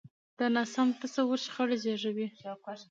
دا ناسم تصور شخړې زېږوي.